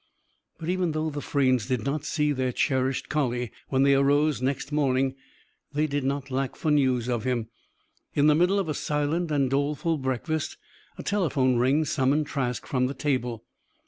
But even though the Fraynes did not see their cherished collie when they arose next morning, they did not lack for news of him. In the middle of a silent and doleful breakfast a telephone ring summoned Trask from the table.